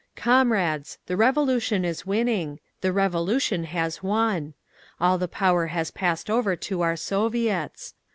_ "Comrades! The Revolution is winning—the revolution has won. All the power has passed over to our Soviets.